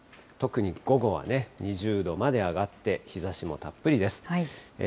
特に午後は２０度まで上がって、日ざしもたっぷりです。